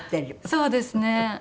そうですね。